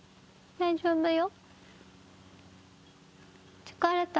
大丈夫だよ。